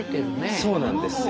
そうなんですよ。